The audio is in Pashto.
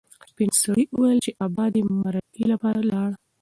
سپین سرې وویل چې ابا دې د مرکې لپاره لاړ.